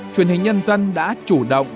truyền hình nhân dân đã chủ động